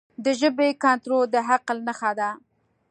د ژبې کنټرول د عقل نښه ده.